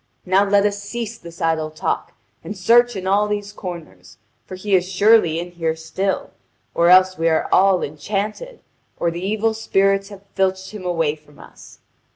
Now let us cease this idle talk, and search in all these comers, for he is surely in here still, or else we are all enchanted, or the evil spirits have filched him away from us."